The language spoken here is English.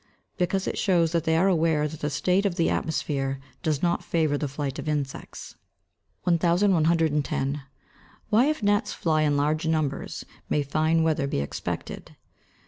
_ Because it shows that they are aware that the state of the atmosphere does not favour the flight of insects. 1110. _Why if gnats fly in large numbers may fine weather be expected?